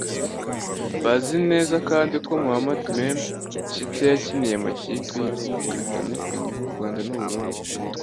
Bazi neza kandi ko Mohamed "Mémé" Tchite yakiniye amakipe y’ibihugu bitandukanye nk’u Rwanda n’u Burundi